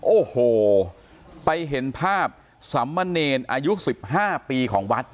โอ้โหไปเห็นภาพสำมะเนรอายุ๑๕ปีของวัด